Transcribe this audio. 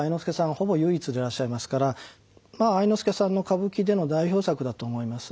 ほぼ唯一でいらっしゃいますからまあ愛之助さんの歌舞伎での代表作だと思いますですね。